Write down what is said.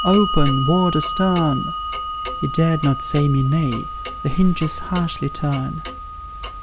open, Warder stern!" He dared not say me nay the hinges harshly turn.